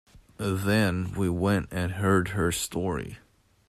Then we went and heard her story..